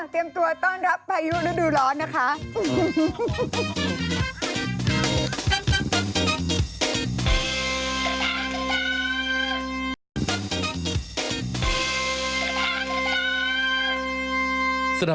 ตัวต้อนรับพายุฤดูร้อนนะคะ